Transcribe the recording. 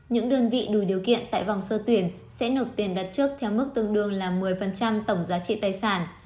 những đơn vị đủ điều kiện tại vòng sơ tuyển sẽ nộp tiền đặt trước theo mức tương đương là một mươi tổng giá trị tài sản